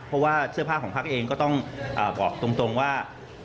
เพราะว่าเสื้อผ้าของพักเองก็ต้องบอกตรงว่า